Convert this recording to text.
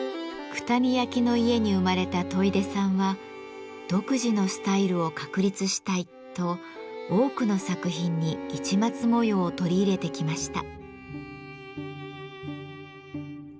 九谷焼の家に生まれた戸出さんは「独自のスタイルを確立したい」と多くの作品に市松模様を取り入れてきました。